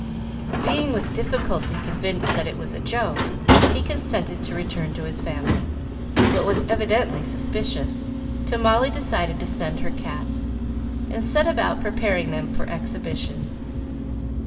Being with difficulty convinced that it was a joke, he consented to return to his family, but was evidently suspicious, till Molly decided to send her cats, and set about preparing them for exhibition.